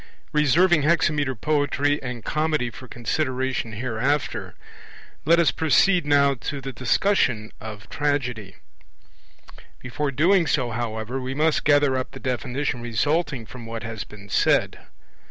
6 Reserving hexameter poetry and Comedy for consideration hereafter, let us proceed now to the discussion of Tragedy; before doing so, however, we must gather up the definition resulting from what has been said.